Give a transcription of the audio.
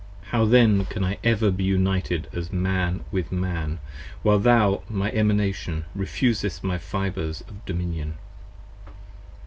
How then can I ever again be united as Man with Man While thou, my Emanation, refusest my Fibres of dominion?